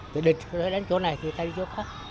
để địch đánh chỗ này thì ta đi chỗ khác